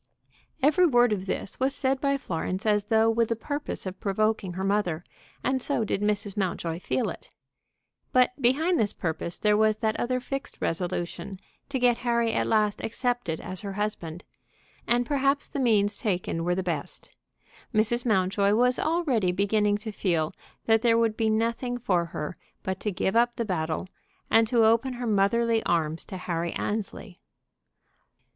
Every word of this was said by Florence as though with the purpose of provoking her mother; and so did Mrs. Mountjoy feel it. But behind this purpose there was that other fixed resolution to get Harry at last accepted as her husband, and perhaps the means taken were the best. Mrs Mountjoy was already beginning to feel that there would be nothing for her but to give up the battle, and to open her motherly arms to Harry Annesley.